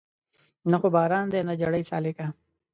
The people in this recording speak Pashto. نه خو باران دی نه جړۍ سالکه